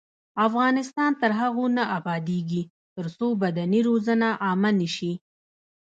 افغانستان تر هغو نه ابادیږي، ترڅو بدني روزنه عامه نشي.